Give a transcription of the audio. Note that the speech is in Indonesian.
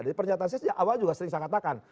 jadi pernyataan saya awal juga sering saya katakan